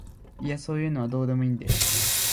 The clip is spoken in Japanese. いやそういうのはどうでもいいんで